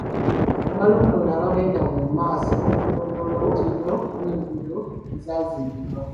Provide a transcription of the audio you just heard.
Abalondoola baagenda mu maaso okulondoola omutindo gw'enguudo ezaazimbibwa.